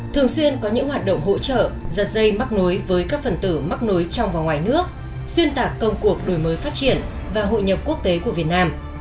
thường xuyên có những hoạt động hỗ trợ giật dây mắc nối với các phần tử mắc nối trong và ngoài nước xuyên tạc công cuộc đổi mới phát triển và hội nhập quốc tế của việt nam